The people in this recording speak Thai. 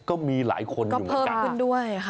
ก็มีหลายคนอยู่เหมือนกันค่ะก็เพิ่มขึ้นด้วยค่ะ